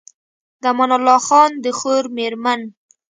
د امان الله خان د خور مېرمن